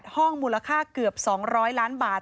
๑๓๘ห้องมูลค่าเกือบ๒๐๐ล้านบาท